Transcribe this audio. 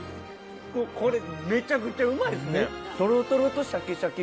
これめちゃくちゃうまいですね！